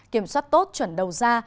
kiểm soát tốt chuẩn đầu ra